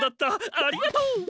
ありがとう！